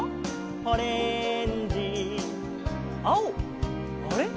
「オレンジ」「青あれ？